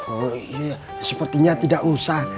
oh sepertinya tidak usah